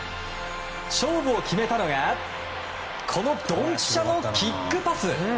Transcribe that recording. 勝負を決めたのがこのドンピシャのキックパス。